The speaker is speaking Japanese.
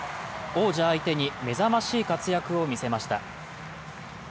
王者相手に目覚ましい活躍を見せました。